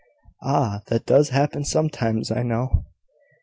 "Ah! that does happen sometimes, I know."